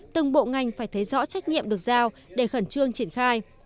từng bộ ngành phải thấy rõ trách nhiệm được giao để khẩn trương triển khai